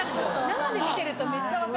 生で見てるとめっちゃ分かる。